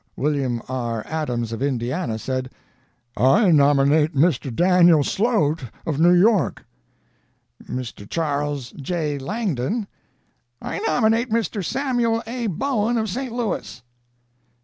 Wm. R. ADAMS of Indiana said: 'I nominate Mr. Daniel Slote of New York.' "MR. CHARLES J. LANGDON: 'I nominate Mr. Samuel A. Bowen of St. Louis.'